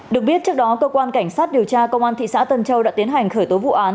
được biết trước đó cơ quan cảnh sát điều tra công an thị xã tân châu đã tiến hành khởi tố vụ án